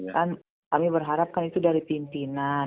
kan kami berharapkan itu dari pimpinan